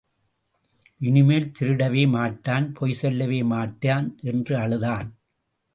இனிமேல் திருடவே மாட்டேன், பொய்சொல்லவே மாட்டேன் என்று அழுதான்.